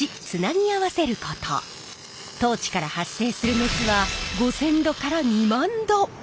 トーチから発生する熱は５，０００℃から２万℃！